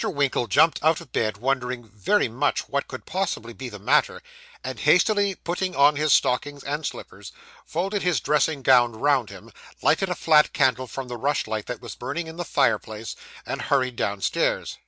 Winkle jumped out of bed, wondering very much what could possibly be the matter, and hastily putting on his stockings and slippers, folded his dressing gown round him, lighted a flat candle from the rush light that was burning in the fireplace, and hurried downstairs.